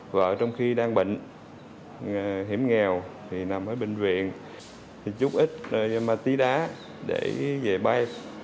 vợ trong khi đang bệnh hiểm nghèo thì nằm ở bệnh viện chút ít nhưng mà tí đá để về bay